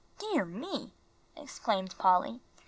"Dear me!" exclaimed Polly.